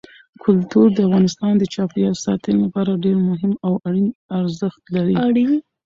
کلتور د افغانستان د چاپیریال ساتنې لپاره ډېر مهم او اړین ارزښت لري.